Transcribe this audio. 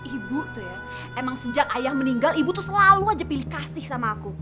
ibu tuh ya emang sejak ayah meninggal ibu tuh selalu aja pilih kasih sama aku